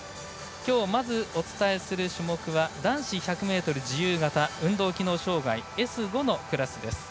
今日まずお伝えする種目は男子１００ｍ自由形運動機能障がいＳ５のクラスです。